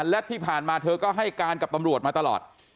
และที่ผ่านมาเธอก็ให้การกับตำรวจมาตลอด